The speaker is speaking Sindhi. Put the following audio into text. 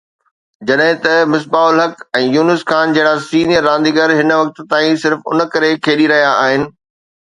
جڏهن ته مصباح الحق ۽ يونس خان جهڙا سينيئر رانديگر هن وقت تائين صرف ان ڪري کيڏي رهيا آهن